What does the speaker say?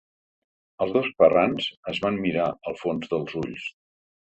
Els dos Ferrans es van mirar al fons dels ulls.